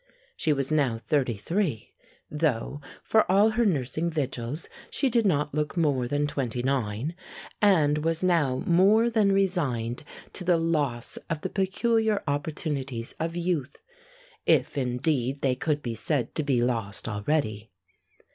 She was now thirty three; though, for all her nursing vigils, she did not look more than twenty nine, and was now more than resigned to the loss of the peculiar opportunities of youth if, indeed, they could be said to be lost already.